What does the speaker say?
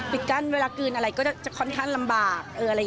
กั้นเวลากลืนอะไรก็จะค่อนข้างลำบาก